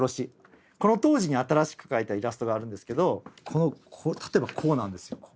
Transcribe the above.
この当時に新しく描いたイラストがあるんですけど例えばこうなんですよ。